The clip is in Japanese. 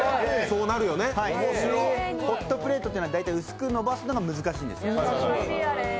ホットプレートっていうのは大体薄くのばすのが難しいんですよ。